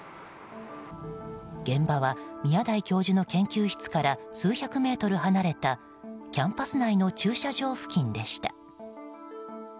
現場は、宮台教授の研究室から数百メートル離れたキャンパス内の駐車場付近でした。